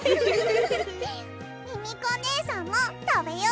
ミミコねえさんもたべよ。